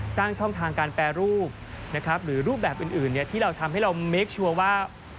ช่องทางการแปรรูปนะครับหรือรูปแบบอื่นที่เราทำให้เราเมคชัวร์ว่า